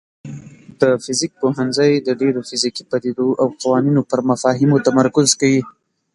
د فزیک پوهنځی د ډیرو فزیکي پدیدو او قوانینو پر مفاهیمو تمرکز کوي.